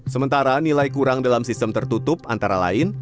sementara nilai kurang dalam sistem tertutup antara lain